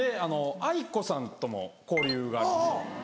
ａｉｋｏさんとも交流がある。